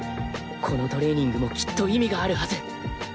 このトレーニングもきっと意味があるはず。